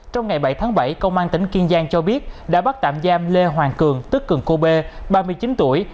trong ngày bảy tháng bảy công an tỉnh kiên giang cho biết đã bắt tạm giam lê hoàng cường tức cường cô bê ba mươi chín tuổi